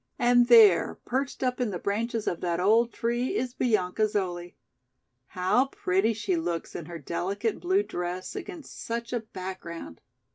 And there perched up in the branches of that old tree is Bianca Zoli. How pretty she looks in her delicate blue dress against such a background!"